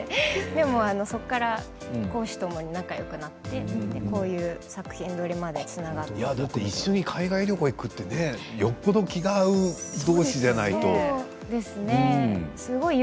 でもそこから公私ともに仲よくなって、こういう作品撮りまで一緒に海外旅行に行くってよっぽど気が合うどうしじゃないと。